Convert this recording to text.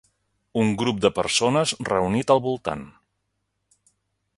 Un grup de persones reunit al voltant.